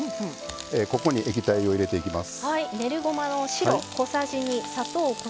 ここに液体を入れていきます。